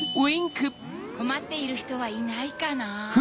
こまっているひとはいないかな。